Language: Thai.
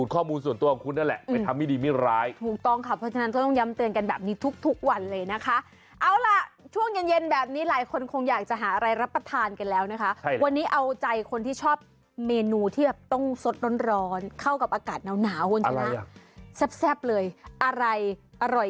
คนในบ้านพ่อแม่ผู้ปกครองญาติผู้ใหญ่